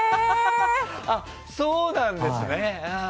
そうなんですね。